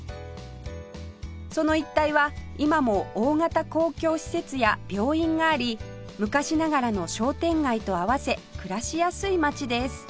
その一帯は今も大型公共施設や病院があり昔ながらの商店街と合わせ暮らしやすい街です